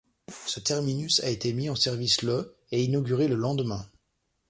Ce terminus a été mis en service le et inauguré le lendemain.